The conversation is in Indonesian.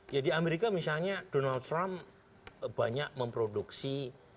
jadi amerika misalnya donald trump banyak memproduksi